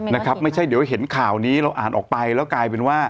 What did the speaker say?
นะครับไม่ใช่เดี๋ยวเห็นข่าวนี้เราอ่านออกไปแล้วกลายเป็นว่า